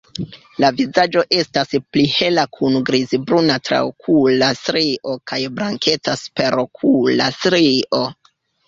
La vizaĝo estas pli hela kun grizbruna traokula strio kaj blankeca superokula strio.